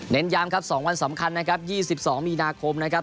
เน้นยามครับ๒วันสำคัญนะครับ